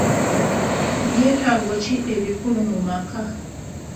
Byetaago ki ebikulu mu maka?